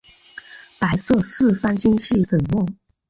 白色四方晶系粉末。